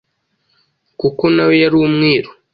kuko na we yari umwiru.